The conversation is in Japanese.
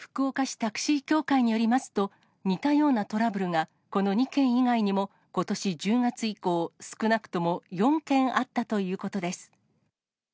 タクシー協会によりますと、似たようなトラブルがこの２件以外にもことし１０月以降、少なくとも４件あったということです。